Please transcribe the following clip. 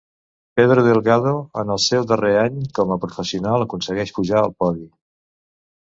Pedro Delgado, en el seu darrer any com a professional, aconsegueix pujar al podi.